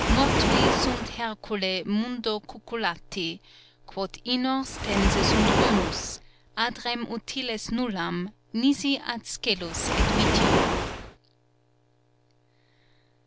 Mortui sunt Hercule Mundo cucullati, quod inors tense sunt onus, Ad rem utiles nullam, nisi ad scelus et vitium."